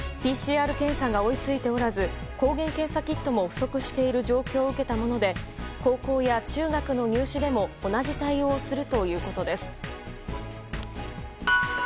ＰＣＲ検査が追いついておらず抗原検査キットも不足している状況を受けたもので高校や中学の入試でも同じ対応をするということです。